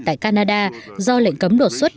tại canada do lệnh cấm đột xuất